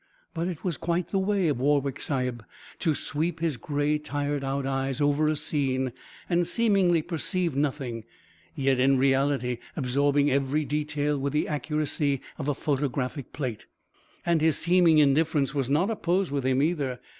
But it was quite the way of Warwick Sahib to sweep his gray, tired out eyes over a scene and seemingly perceive nothing; yet in reality absorbing every detail with the accuracy of a photographic plate. And his seeming indifference was not a pose with him, either.